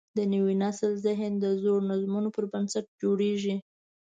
د نوي نسل ذهن د زړو نظمونو پر بنسټ جوړېږي.